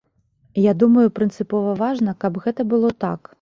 Я думаю, прынцыпова важна, каб гэта было так.